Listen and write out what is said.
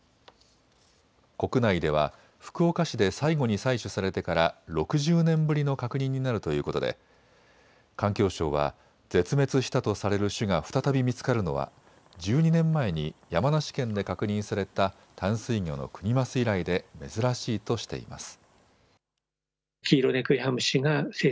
国内では福岡市で最後に採取されてから６０年ぶりの確認になるということで環境省は絶滅したとされる種が再び見つかるのは１２年前に山梨県で確認された淡水魚のクニマス以来で珍しいとしています。